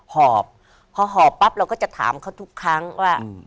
หอบพอหอบปั๊บเราก็จะถามเขาทุกครั้งว่า